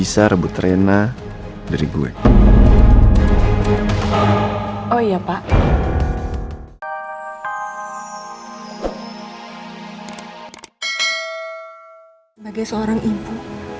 sebagai seorang ibu